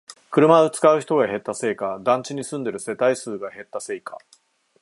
車を使う人が減ったせいか、団地に住んでいる世帯数が減ったせいか